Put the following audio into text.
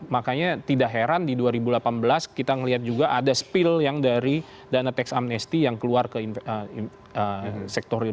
makanya tidak heran di dua ribu delapan belas kita melihat juga ada spill yang dari dana teks amnesty yang keluar ke sektor real